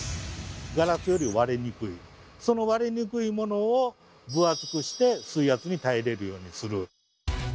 ガラスより割れにくいその割れにくいものを分厚くして水圧に耐えれるようにする。